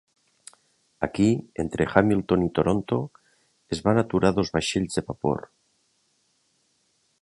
Aquí, entre Hamilton i Toronto, es van aturar dos vaixells de vapor.